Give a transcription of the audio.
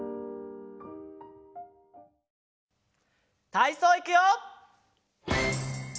たいそういくよ！